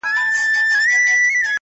د شنو خالونو د ټومبلو کيسه ختمه نه ده”